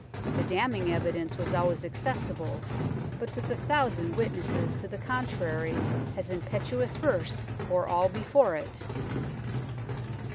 The damning evidence was always accessible, but with a thousand wit nesses to the contrary his impetuous verse bore all before it.